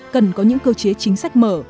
cần có những cơ chế chính sách mở